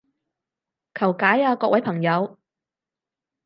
求解啊各位朋友